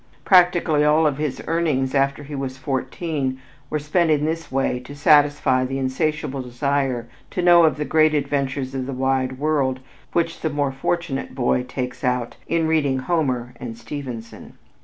Practically all of his earnings after he was fourteen were spent in this way to satisfy the insatiable desire to know of the great adventures of the wide world which the more fortunate boy takes out in reading Homer and Stevenson.